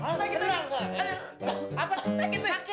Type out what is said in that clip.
baru gini sakit lo nyakitin gue berkali kali